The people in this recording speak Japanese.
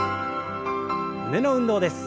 胸の運動です。